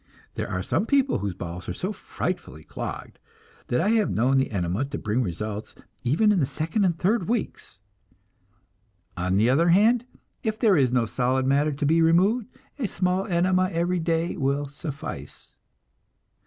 There are some people whose bowels are so frightfully clogged that I have known the enema to bring results even in the second and third weeks. On the other hand, if there is no solid matter to be removed, a small enema every day will suffice.